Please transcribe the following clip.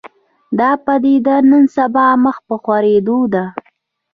دا پدیده نن سبا مخ په خورېدو ده